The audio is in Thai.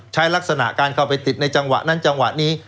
ลักษณะการเข้าไปติดในจังหวะนั้นจังหวะนี้